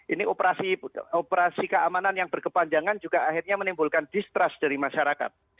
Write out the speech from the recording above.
ini operasi keamanan yang berkepanjangan juga akhirnya menimbulkan distrust dari masyarakat